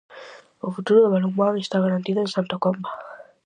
O futuro do balonmán está garantido en Santa Comba.